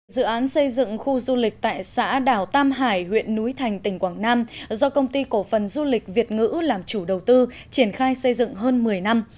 dự án xây dựng khu du lịch tại xã đảo tam hải huyện núi thành tỉnh quảng nam do công ty cổ phần du lịch việt ngữ làm chủ đầu tư triển khai xây dựng hơn một mươi năm